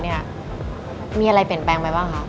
มีอะไรเปลี่ยนแปลงไปบ้างคะ